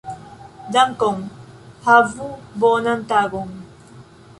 Dankon. Havu bonan tagon.